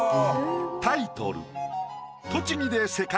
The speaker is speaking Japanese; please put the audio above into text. タイトル